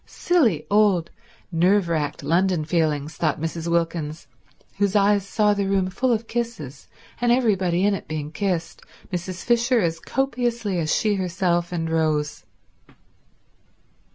Silly old nerve racked London feelings, thought Mrs. Wilkins, whose eyes saw the room full of kisses, and everybody in it being kissed, Mrs. Fisher as copiously as she herself and Rose.